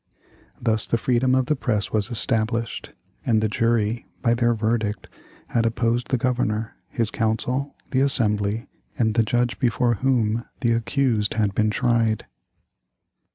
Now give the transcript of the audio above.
Thus the freedom of the press was established, and the jury, by their verdict, had opposed the Governor, his council, the Assembly, and the judge before whom the accused had been tried.